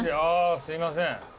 すいません。